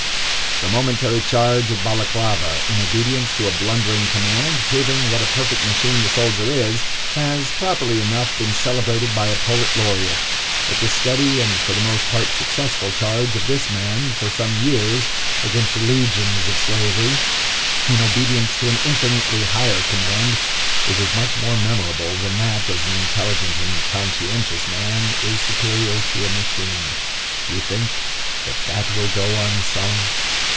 The momentary charge at Balaclava, in obedience to a blundering command, proving what a perfect machine the soldier is, has, properly enough, been celebrated by a poet laureate; but the steady, and for the most part successful, charge of this man, for some years, against the legions of Slavery, in obedience to an infinitely higher command, is as much more memorable than that, as an intelligent and conscientious man is superior to a machine. Do you think that that will go unsung?